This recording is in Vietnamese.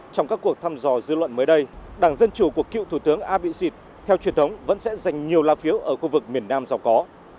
trong các cuộc thăm dò dư luận mới đây đảng dân chủ của cựu thủ tướng a vị xịt theo truyền thống vẫn sẽ dành nhiều lao phiếu ở khu vực miền nam dọc có